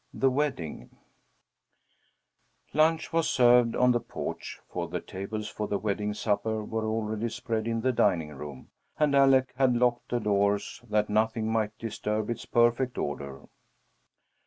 THE WEDDING Lunch was served on the porch, for the tables for the wedding supper were already spread in the dining room, and Alec had locked the doors that nothing might disturb its perfect order.